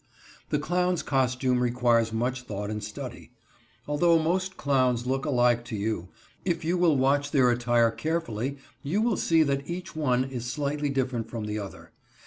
The clown's costume requires much thought and study. Although most clowns look alike to you, if you will watch their attire carefully you will see that each one is slightly different from the other.